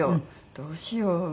「どうしよう？